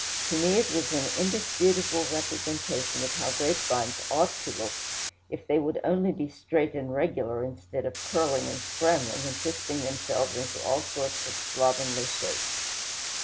To me it was an indisputable representation of how grapevines ought to look, if they would only be straight and regular, instead of curling and scrambling, and twisting themselves into all sorts of slovenly shapes.